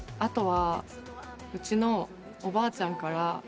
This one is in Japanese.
後はうちのおばあちゃんから